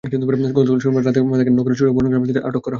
গতকাল শনিবার রাতে তাঁকে নগরের ছোট বনগ্রাম এলাকা থেকে আটক করা হয়।